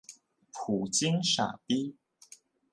普京傻屄